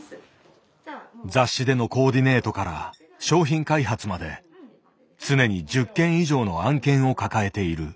雑誌でのコーディネートから商品開発まで常に１０軒以上の案件を抱えている。